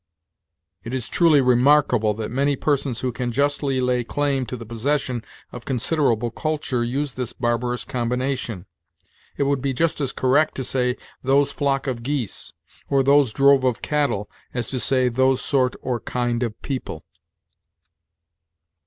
It is truly remarkable that many persons who can justly lay claim to the possession of considerable culture use this barbarous combination. It would be just as correct to say, "Those flock of geese," or "Those drove of cattle," as to say, "Those sort or kind of people."